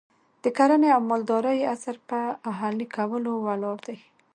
د کرنې او مالدارۍ عصر پر اهلي کولو ولاړ دی.